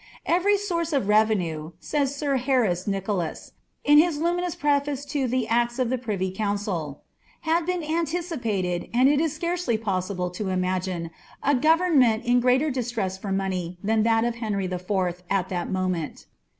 "■ Every souiti oi revenue." says sir Harris Nicolas, in his luminous preface lo the "Arii of the Privy Council," " had been anticipated, and it is scarcely poniUt to imagine a government in greater distress for money than that of Utiuy IV. at that moment."